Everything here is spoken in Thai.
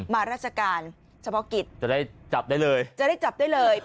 มาราชการเฉพาะกิจจะได้จับได้เลยจะได้จับได้เลย